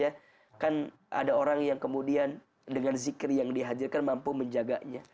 ya kan ada orang yang kemudian dengan zikir yang dihadirkan mampu menjaganya